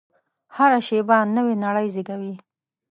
هره شېبه نوې نړۍ زېږوي.